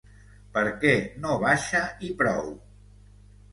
Per què no baixa i prou?